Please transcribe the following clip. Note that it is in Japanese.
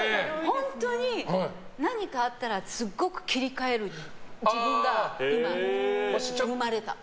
本当に、何かあったらすごく切り替える自分が今、生まれた。